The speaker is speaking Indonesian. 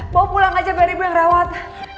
bawa pulang aja bari bari yang rawat